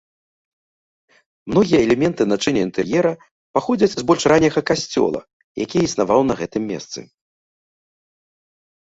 Многія элементы начыння інтэр'ера паходзяць з больш ранняга касцёла, які існаваў на гэтым месцы.